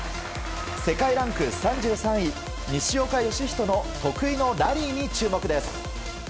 世界ランク３３位西岡良仁の得意のラリーに注目です。